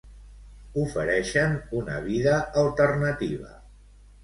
ofereixen una vida alternativa